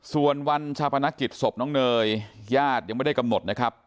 ส่วนวันชาปนกิจศพน้องเนยญาติยังไม่ได้กำหนดนะครับ